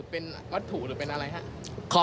เป็นวัตถุหรือเป็นอะไรครับ